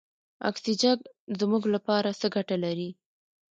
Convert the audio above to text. اکسیجن زموږ لپاره څه ګټه لري.